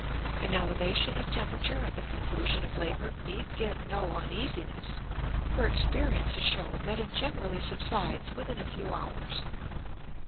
An elevation of temperature at the conclusion of labor need give no uneasiness, for experience has shown that it generally subsides within a few hours.